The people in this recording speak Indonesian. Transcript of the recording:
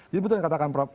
jadi betul yang katakan prof